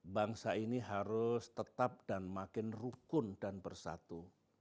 bangsa ini harus tetap dan makin rukun dan bersatu